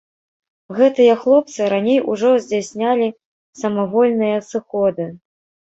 Гэтыя хлопцы раней ужо здзяйснялі самавольныя сыходы.